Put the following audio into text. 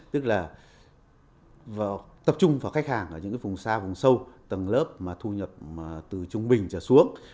tức là tập trung vào khách hàng ở những vùng xa vùng sâu tầng lớp mà thu nhập từ trung bình trở xuống